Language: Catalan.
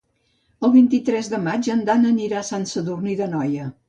El vint-i-tres de maig en Dan anirà a Sant Sadurní d'Anoia.